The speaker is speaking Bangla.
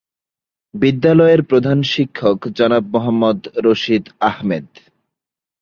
বিদ্যালয়ের প্রধান শিক্ষক জনাব মোহাম্মদ রশিদ আহমেদ।